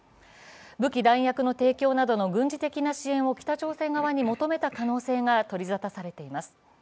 武器弾薬の提供などの軍事的な支援を北朝鮮に求めた可能性が取り沙汰されています。